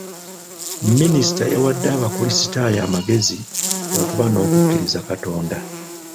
Minisita yawadde abakrisitaayo amagezi okuba n'okukkiriza Katonda.